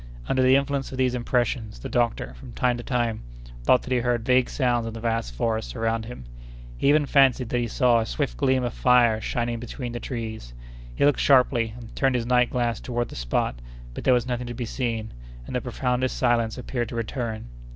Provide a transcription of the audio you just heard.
Under the influence of these impressions, the doctor, from time to time, thought that he heard vague sounds in the vast forests around him; he even fancied that he saw a swift gleam of fire shining between the trees. He looked sharply and turned his night glass toward the spot; but there was nothing to be seen, and the profoundest silence appeared to return.